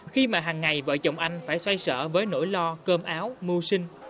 khi mà hàng ngày vợ chồng anh phải xoay sở với nỗi lo cơm áo mưu sinh